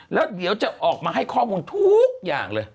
แล้วเดี๋ยวจะออกมาให้ข้อมูลทุกอย่างเลย